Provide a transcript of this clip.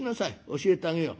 教えてあげよう。